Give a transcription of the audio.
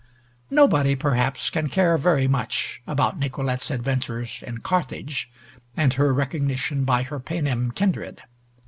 Nobody, perhaps, can care very much about Nicolete's adventures in Carthage, and her recognition by her Paynim kindred.